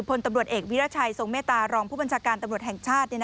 พลตำรวจเอกวิรัชัยทรงเมตตารองผู้บัญชาการตำรวจแห่งชาติ